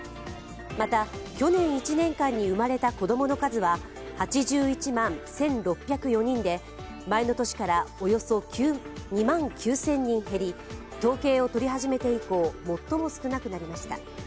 また、去年１年間に生まれた子供の数は８１万１６０４人で前の年からおよそ２万９０００人減り統計をとり始めて以降、最も少なくなりました。